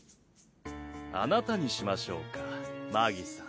あなたにしましょうかマギさん。